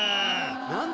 何だ